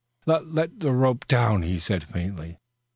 "Le let the r rope down," he said faintly.